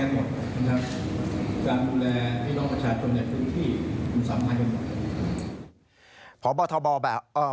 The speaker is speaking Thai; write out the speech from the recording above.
การบูรณ์แร่ผู้หลองประชาชนในบุคคลที่มันสำคัญกันหมด